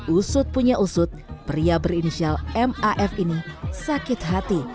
usut punya usut pria berinisial maf ini sakit hati